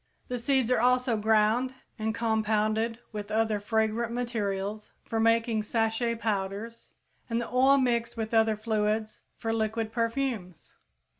The seeds are also ground and compounded with other fragrant materials for making sachet powders, and the oil mixed with other fluids for liquid perfumes.